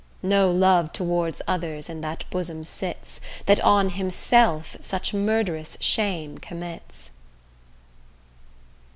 No love toward others in that bosom sits That on himself such murd'rous shame commits.